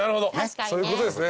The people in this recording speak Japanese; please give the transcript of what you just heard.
そういうことですね。